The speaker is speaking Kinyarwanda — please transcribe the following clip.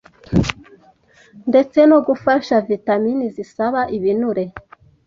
ndetse no gufasha vitamin zisaba ibinure